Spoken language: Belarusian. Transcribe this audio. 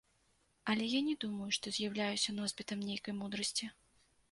Але я не думаю, што з'яўляюся носьбітам нейкай мудрасці.